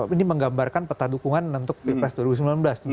ini menggambarkan peta dukungan untuk pilpres dua ribu sembilan belas